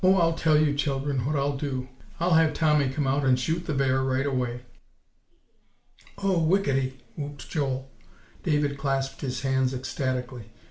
I'll tell you, children, what I'll do; I'll have Tommy come out and shoot the bear right away." "Oh, whickety!" whooped Joel. David clasped his hands ecstatically.